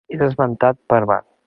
És esmentat per Var.